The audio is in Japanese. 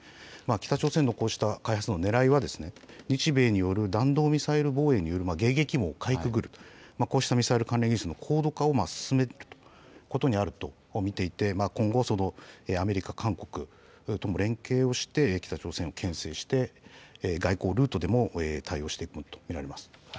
北朝鮮のこうした開発のねらいは、日米による弾道ミサイル防衛による迎撃網をかいくぐる、こうしたミサイル関連技術の高度化を進めることにあると見ていて、今後、アメリカ、韓国とも連携をして北朝鮮をけん制して、外交ルートでも対応していくものと見られます。